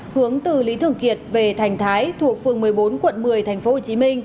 hướng từ lý thường kiệt về thành thái thuộc phường một mươi bốn quận một mươi tp hcm